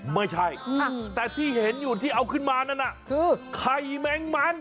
ไม่ใช่แต่ที่เห็นอยู่ที่เอาขึ้นมานั่นน่ะคือไข่แมงมัน